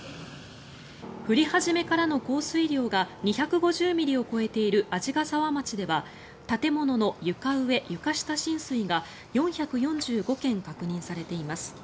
降り始めからの降水量が２５０ミリを超えている鰺ヶ沢町では建物の床上・床下浸水が４４５件確認されています。